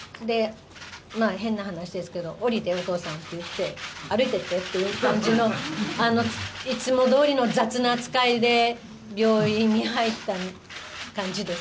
変な話ですけど、降りて、お父さんって言って、歩いていってっていう感じの、いつもどおりの雑な扱いで、病院に入った感じです。